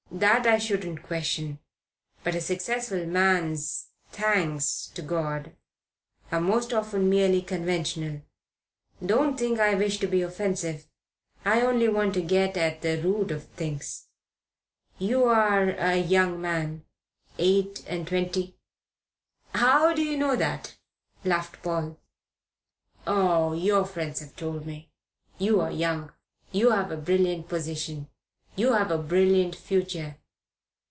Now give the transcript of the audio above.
"That I shouldn't question. But a successful man's thanks to God are most often merely conventional. Don't think I wish to be offensive. I only want to get at the root of things. You are a young man, eight and twenty " "How do you know that?" laughed Paul. "Oh, your friends have told me. You are young. You have a brilliant position. You have a brilliant future.